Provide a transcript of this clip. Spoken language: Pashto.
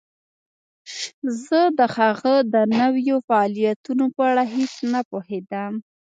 زه د هغه د نویو فعالیتونو په اړه هیڅ نه پوهیدم